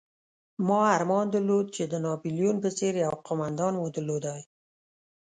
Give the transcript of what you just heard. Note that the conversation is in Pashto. ما ارمان درلود چې د ناپلیون په څېر یو قومندان مو درلودلای.